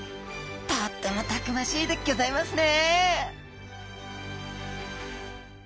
とってもたくましいでギョざいますね！